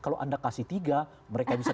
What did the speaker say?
kalau anda kasih tiga mereka bisa